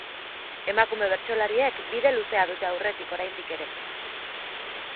Emakume bertsolariek bide luzea dute aurretik oraindik ere.